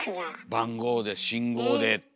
番号で信号でって。